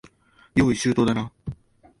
用意周到だな。